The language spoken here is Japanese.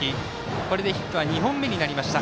これでヒットは２本目になりました。